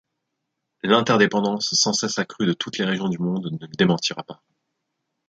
L'interdépendance sans cesse accrue de toutes les régions du monde ne le démentira pas.